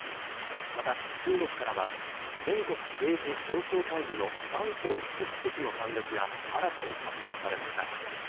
また、中国からは全国政治協商会議のバン・コウ副主席の参列が新たに発表されました。